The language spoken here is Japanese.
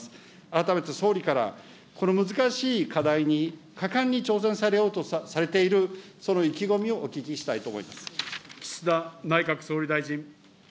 改めて総理からこの難しい課題に果敢に挑戦されようとされている、その意気込みをお聞きしたいと思います。